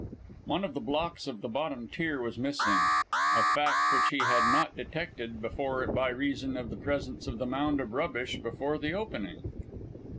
One of the blocks of the bottom tier was missing, a fact which he had not detected before by reason of the presence of the mound of rubbish before the opening.